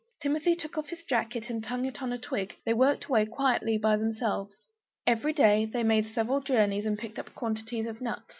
Timmy took off his jacket and hung it on a twig; they worked away quietly by themselves. Every day they made several journeys and picked quantities of nuts.